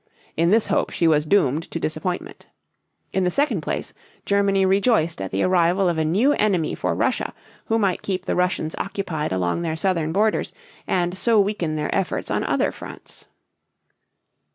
In this hope she was doomed to disappointment. In the second place Germany rejoiced at the arrival of a new enemy for Russia who might keep the Russians occupied along their southern borders and so weaken their efforts on other fronts.